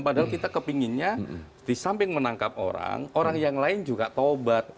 padahal kita kepinginnya di samping menangkap orang orang yang lain juga taubat